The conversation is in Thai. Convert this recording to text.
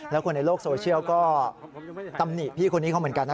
แล้วคนในโลกโซเชียลก็ตำหนิพี่คนนี้เขาเหมือนกันนะ